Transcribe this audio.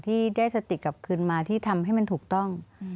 ที่ได้สติกลับคืนมาที่ทำให้มันถูกต้อง